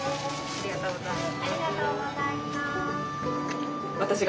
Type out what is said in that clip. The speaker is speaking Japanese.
ありがとうございます。